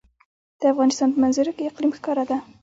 د افغانستان په منظره کې اقلیم ښکاره ده.